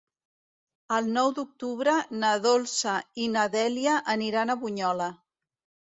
El nou d'octubre na Dolça i na Dèlia aniran a Bunyola.